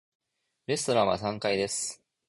レストランは三階です。